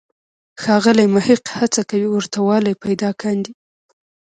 ښاغلی محق هڅه کوي ورته والی پیدا کاندي.